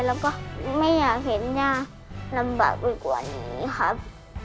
แล้วก็ไม่อยากเห็นย่าลำบากไปกว่านี้ครับ